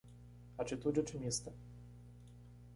Atitude otimista